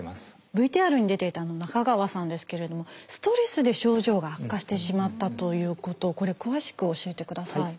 ＶＴＲに出ていた中川さんですけれどもストレスで症状が悪化してしまったということこれ詳しく教えてください。